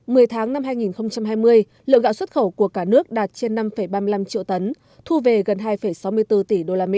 mười tháng năm hai nghìn hai mươi lượng gạo xuất khẩu của cả nước đạt trên năm ba mươi năm triệu tấn thu về gần hai sáu mươi bốn tỷ usd